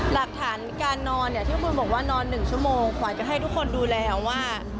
หลักฐานการนอนเนี่ยที่คุณบอกว่านอน๑ชั่วโมงขวายจะให้ทุกคนดูแลว่า